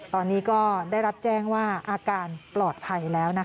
ตอนนี้ก็ได้รับแจ้งว่าอาการปลอดภัยแล้วนะคะ